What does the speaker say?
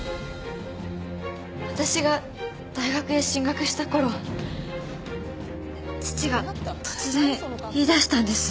私が大学へ進学した頃父が突然言い出したんです。